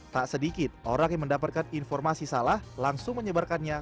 tak sedikit orang yang mendapatkan informasi salah langsung menyebarkannya